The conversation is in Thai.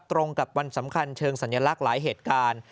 ตรงกับวันสำคัญเชิงสัญลักษณ์หลายเหตุการณ์